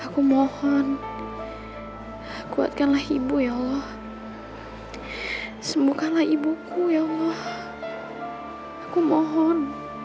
aku mohon kuatkanlah ibu ya allah semogalah ibuku ya allah aku mohon